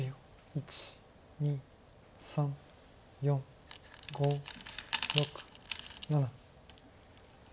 １２３４５６７。